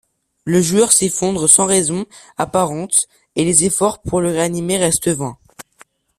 Le joueur s'effondre sans raisons apparentes, et les efforts pour le réanimer restent vains.